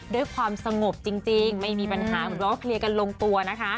ด้วยความสงบจริงไม่มีปัญหาเหมือนแบบว่าเคลียร์กันลงตัวนะคะ